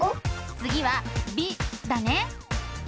つぎは「び」だね。